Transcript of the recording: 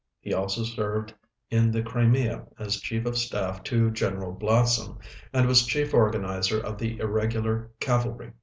He also served in the Crimea as Chief of Staff to General Blatsom, and was chief organizer of the irregular cavalry.